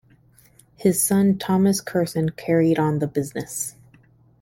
His son Thomas Curson carried on the business.